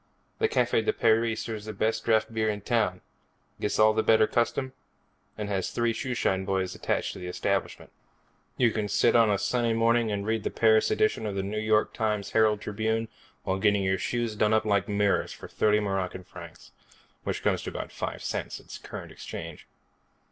The Cafe de Paris serves the best draft beer in town, gets all the better custom, and has three shoeshine boys attached to the establishment. You can sit of a sunny morning and read the Paris edition of the New York Herald Tribune while getting your shoes done up like mirrors for thirty Moroccan francs which comes to about five cents at current exchange.